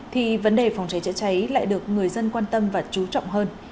thì vấn đề phòng cháy chữa cháy lại được người dân quan tâm và chú trọng hơn